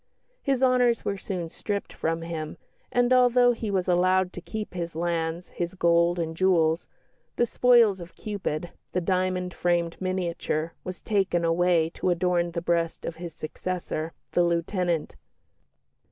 His honours were soon stripped from him, and although he was allowed to keep his lands, his gold and jewels, the spoils of Cupid, the diamond framed miniature, was taken away to adorn the breast of his successor, the lieutenant.